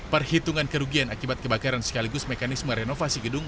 perhitungan kerugian akibat kebakaran sekaligus mekanisme renovasi gedung